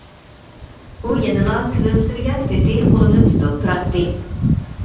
ئۇ يەنىلا كۈلۈمسىرىگەن پېتى قۇلۇمنى تۇتۇپ تۇراتتى.